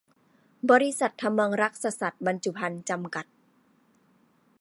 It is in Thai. บริษัท ถมังรักษสัตว์บรรจุภัณฑ์ จำกัด